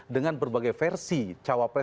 dengan berbagai versi capres